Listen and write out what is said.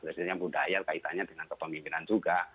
biasanya budaya kaitannya dengan kepemimpinan juga